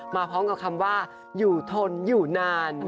มาพร้อมกับคำว่าอยู่ทนอยู่นาน